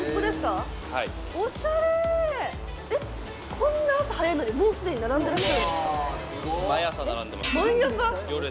こんな朝早いのに、もうすでに並んでるんですか？